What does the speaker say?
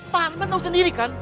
pak arman tahu sendiri kan